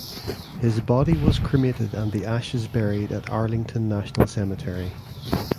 His body was cremated and the ashes buried at Arlington National Cemetery.